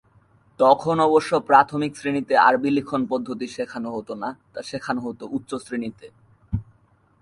তখন অবশ্য প্রাথমিক শ্রেণিতে আরবি লিখনপদ্ধতি শেখানো হতো না, তা শেখানো হতো উচ্চ শ্রেণিতে।